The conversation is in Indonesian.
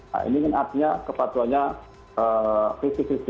nah ini artinya kepatuannya pcpc